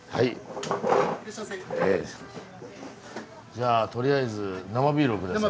じゃあとりあえず生ビールを下さい。